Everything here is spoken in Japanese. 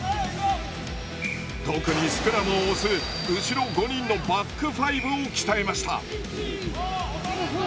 特にスクラムを押す後ろ５人のバックファイブを鍛えました。